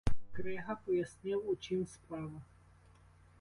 Крига пояснив, у чім справа.